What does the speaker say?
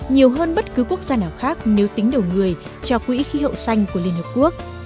nhiều hơn bất cứ quốc gia nào khác nếu tính đầu người cho quỹ khí hậu xanh của liên hợp quốc